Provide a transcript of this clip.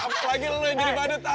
apalagi lalu yang jadi badut